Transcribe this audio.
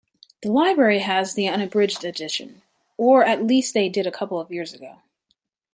The library have the unabridged edition, or at least they did a couple of years ago.